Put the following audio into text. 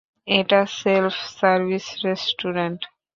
এটা self service restaurant!